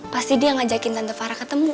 pasti dia yang ngajakin tante farah ke tante farah